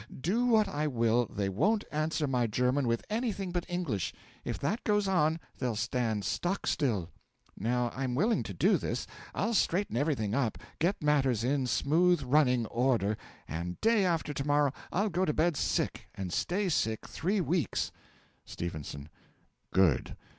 Do what I will, they won't answer my German with anything but English; if that goes on, they'll stand stock still. Now I'm willing to do this: I'll straighten everything up, get matters in smooth running order, and day after to morrow I'll go to bed sick, and stay sick three weeks. S. Good!